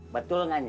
betul nggak nya